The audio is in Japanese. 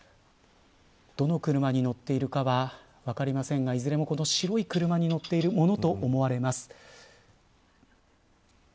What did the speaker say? どの車に乗っているかは分かりませんがいずれも白い車に乗っているものと思われます。